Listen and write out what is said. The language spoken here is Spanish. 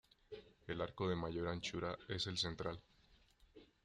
El arco de mayor anchura es el central.